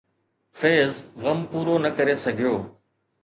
فيض غم پورو نه ڪري سگهيو